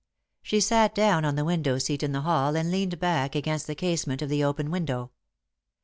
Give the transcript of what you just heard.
She sat down on the window seat in the hall and leaned back against the casement of the open window.